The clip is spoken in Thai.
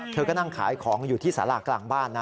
เธอก็นั่งขายของอยู่ที่สารากลางบ้านนะ